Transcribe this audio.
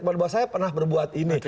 karena saya pernah berbuat ini